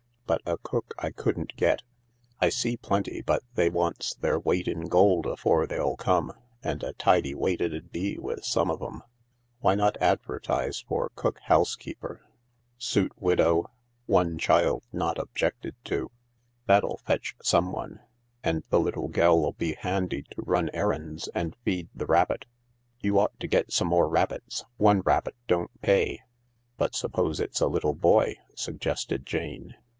But a cook I couldn't get. I see plenty, but they wants their weight in gold afore they'll come, and a tidy weight it 'ud be with some of 'em. Why not advertise for cook housekeeper ; suit THE LARK 187 widow, one child not objected to ? That'll fetch someone, and the little gell'U be handy to run errands and feed the rabbit. You ought to get some more rabbits. One rabbit don't pay." " But suppose it's a little boy ?" suggested Jane.